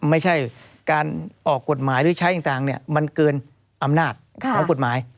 ไม่ใช่การออกกฎหมายหรือใช้ต่างมันเกินอำนาจของกฎหมาย